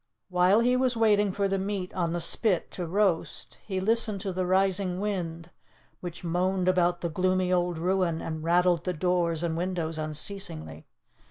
While he was waiting for the meat on the spit to roast, he listened to the rising wind, which moaned about the gloomy old ruin, and rattled the doors and windows unceasingly.